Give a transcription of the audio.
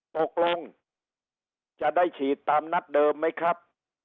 ตกลงจะได้ฉีดตามนัดเดิมไหมครับ